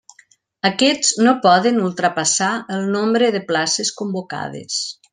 Aquests no poden ultrapassar el nombre de places convocades.